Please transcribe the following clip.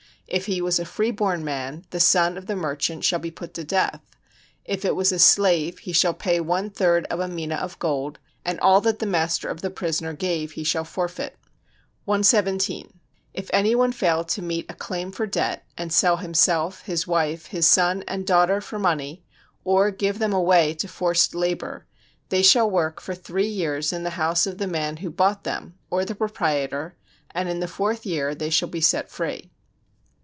If he was a free born man, the son of the merchant shall be put to death; if it was a slave, he shall pay one third of a mina of gold, and all that the master of the prisoner gave he shall forfeit. 117. If any one fail to meet a claim for debt, and sell himself, his wife, his son and daughter for money or give them away to forced labor: they shall work for three years in the house of the man who bought them or the proprietor and in the fourth year they shall be set free.